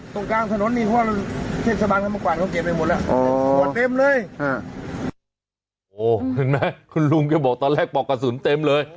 หว่าเห็นมะคุณลุงก็บอกตอนแรกปลอกกระสุนเต็มเลย